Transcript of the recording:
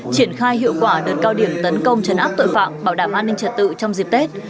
triển khai hiệu quả đợt cao điểm tấn công chấn áp tội phạm bảo đảm an ninh trật tự trong dịp tết